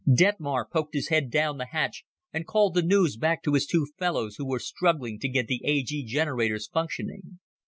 Detmar poked his head down the hatch and called the news back to his two fellows who were struggling to get the A G generators functioning.